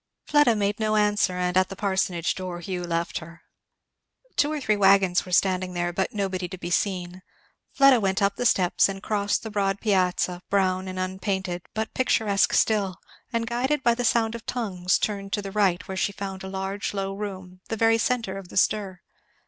Fleda made no answer; and at the parsonage door Hugh left her. Two or three wagons were standing there, but nobody to be seen. Fleda went up the steps and crossed the broad piazza, brown and unpainted, but picturesque still, and guided by the sound of tongues turned to the right where she found a large low room, the very centre of the stir.